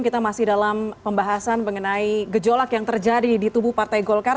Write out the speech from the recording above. kita masih dalam pembahasan mengenai gejolak yang terjadi di tubuh partai golkar